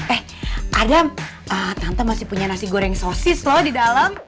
eh adam tante masih punya nasi goreng sosis loh di dalam